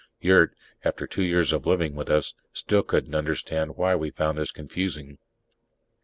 Yurt, after two years of living with us, still couldn't understand why we found this confusing.